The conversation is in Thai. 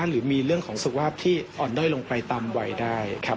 หรือมีเรื่องของสุขภาพที่อ่อนด้อยลงไปตามวัยได้ครับ